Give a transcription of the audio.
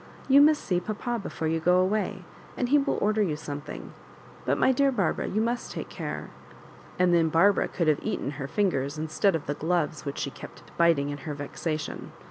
You must see papa before you go away, and he will order you something ; but my dear Barbara, you must take care." And then Barbara could have eaten her fingers instead of the gloves which she kept bit ing in her vexation.